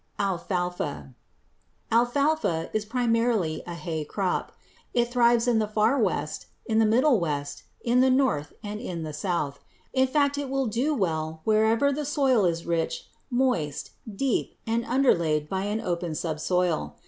=Alfalfa.= Alfalfa is primarily a hay crop. It thrives in the Far West, in the Middle West, in the North, and in the South. In fact, it will do well wherever the soil is rich, moist, deep, and underlaid by an open subsoil.